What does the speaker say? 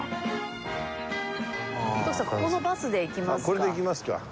このバスで行きますか？